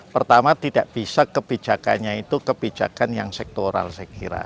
pertama tidak bisa kebijakannya itu kebijakan yang sektoral saya kira